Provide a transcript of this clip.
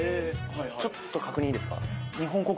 ちょっと確認いいですか？